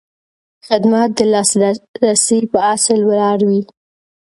خدمت د لاسرسي په اصل ولاړ وي.